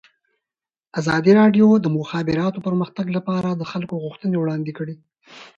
ازادي راډیو د د مخابراتو پرمختګ لپاره د خلکو غوښتنې وړاندې کړي.